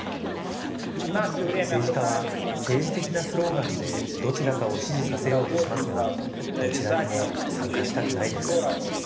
政治家は、政治的なスローガンで、どちらかを支持させようとしますが、どちらにも参加したくないです。